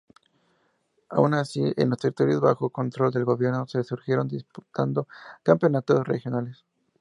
Aun así, en los territorios bajo control del Gobierno, se siguieron disputando campeonatos regionales.